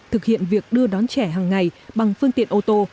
thực hiện việc đưa đón trẻ hằng ngày bằng phương tiện ô tô